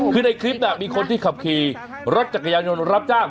คือในคลิปมีคนที่ขับขี่รถจักรยานยนต์รับจ้าง